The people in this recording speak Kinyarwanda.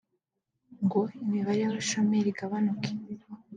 ngo imibare y’abashomeri igabanuke